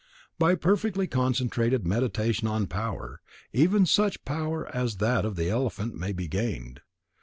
By perfectly concentrated Meditation on power, even such power as that of the elephant may be gained.